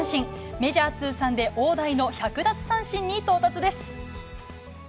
メジャー通算で大台の１００奪三振に到達です。